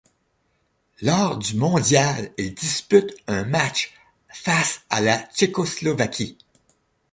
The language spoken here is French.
Lors du mondial, il dispute un match face à la Tchécoslovaquie.